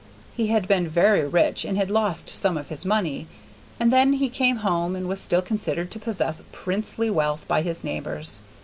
He had been very rich and had lost some of his money, and then he came home and was still considered to possess princely wealth by his neighbors.